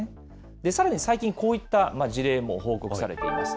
さらに最近、こういった事例も報告されています。